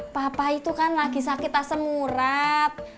bapak itu kan lagi sakit asam urat